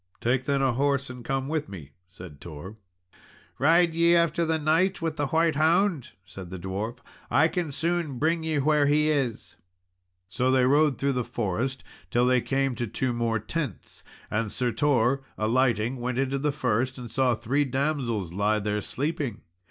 "Take then a horse, and come with me," said Tor. "Ride ye after the knight with the white hound?" said the dwarf; "I can soon bring ye where he is." So they rode through the forest till they came to two more tents. And Sir Tor alighting, went into the first, and saw three damsels lie there, sleeping.